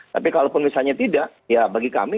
tapi kalau pun misalnya tidak ya bagi kami